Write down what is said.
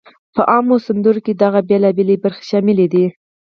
په عامو سندرو کې دغه بېلابېلی برخې شاملې دي: